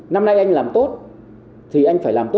năm nay anh làm tốt thì anh phải làm tốt